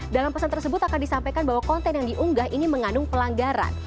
dalam pesan tersebut akan disampaikan bahwa konten yang diunggah ini mengandung pelanggaran